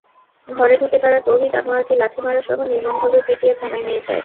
ঘরে ঢুকে তারা তৌহিদ আনোয়ারকে লাথি মারাসহ নির্মমভাবে পিটিয়ে থানায় নিয়ে যায়।